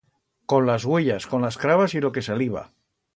Con las uellas, con las crabas y lo que saliba.